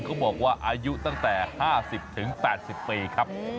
เขาบอกว่าอายุตั้งแต่๕๐๘๐ปีครับ